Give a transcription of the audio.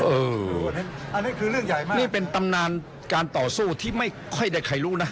อันนี้คือเรื่องใหญ่มากนี่เป็นตำนานการต่อสู้ที่ไม่ค่อยได้ใครรู้นะ